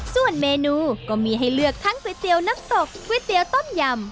ส่วนเมนูก็มีให้เลือกทั้งก๋วยเตี๋ยวน้ำตกก๋วยเตี๋ยวต้มยำ